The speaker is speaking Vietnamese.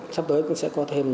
sắp tới cũng sẽ có thêm